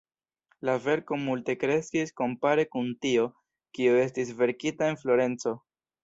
La verko multe kreskis kompare kun tio, kio estis verkita en Florenco.